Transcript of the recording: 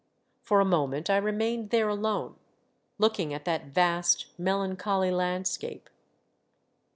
For a moment I remained there alone, looking at that vast, melancholy landscape.